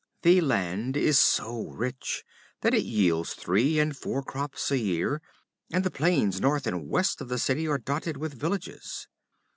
The land is so rich that it yields three and four crops a year, and the plains north and west of the city are dotted with villages.